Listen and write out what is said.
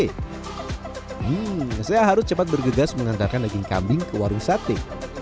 hmm saya harus cepat bergegas mengantarkan daging kambing ke warung sate